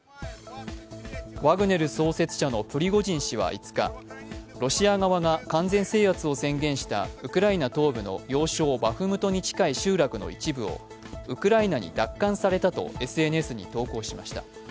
ワグネル創設者のプリゴジン氏は５日、ロシア側が完全制圧を宣言したウクライナ東部の要衝バフムトに近い集落の一部をウクライナに奪還されたとＳＮＳに投稿しました。